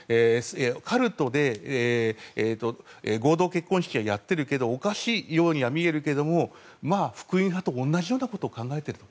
カルトで合同結婚式はやってるけどおかしいようには見えるけどもまあ、福音派と同じようなことを考えていると。